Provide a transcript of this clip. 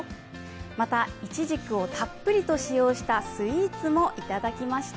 また、いちじくをたっぷりと使用したスイーツもいただきました。